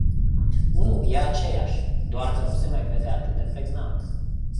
Nu, e aceeași, doar că nu se mai vede atât de pregnant.